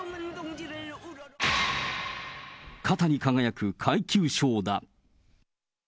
肩に輝く階級章だ。